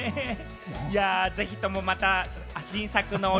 ぜひともまた新作のね。